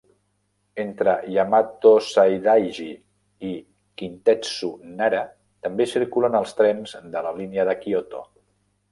Entre Yamato-Saidaiji i Kintetsu Nara també circulen els trens de la línia de Kyoto.